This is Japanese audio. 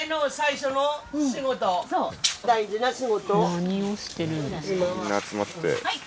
何をしてるんですかね？